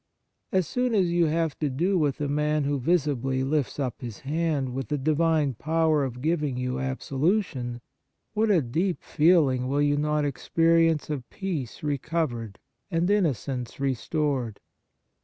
As soon as you have to do with a man who visibly lifts up his hand with the Divine power of giving you absolution, what a deep feeling will you not experience of peace recovered and innocence res tored